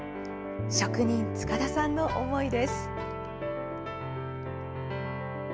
職人、塚田さんの思いです。